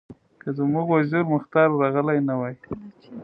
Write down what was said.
که زموږ وزیر مختار ورغلی نه وای.